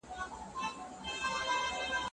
استاد شاګرد ته د کار کولو اجازه ورکړه.